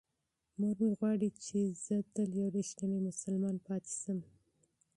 مور مې غواړي چې زه تل یو رښتینی مسلمان پاتې شم.